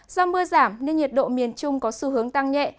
do mưa giảm nên nhiệt độ miền trung có xu hướng tăng nhẹ